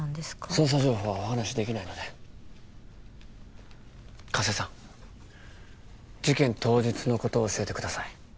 捜査情報はお話しできないので加瀬さん事件当日のことを教えてください